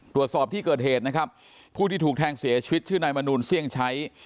ตรวจสอบที่เกิดเหตุนะครับผู้ที่ถูกแทงเสียชีวิตชื่อนายมนูลเสี่ยงใช้